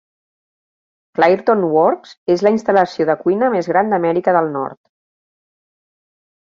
Clairton Works és la instal·lació de cuina més gran d'Amèrica del Nord.